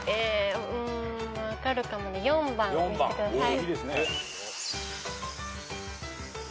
分かるかも４番見せてください。